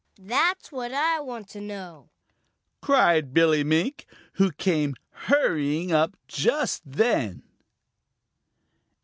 "That's what I want to know!" cried Billy Mink, who came hurrying up just then.